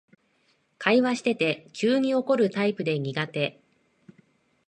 会話してて急に怒るタイプで苦手